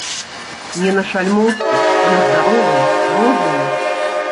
Не на шальмоўстве, а на здаровым розуме.